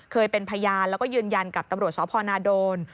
เคยเป็นพยานแล้วก็ยืนยันกับตำรวจสพนาโดน